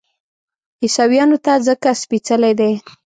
عیسویانو ته ځکه سپېڅلی دی.